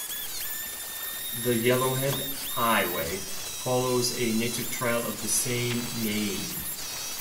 The Yellowhead Highway follows a native trail of the same name.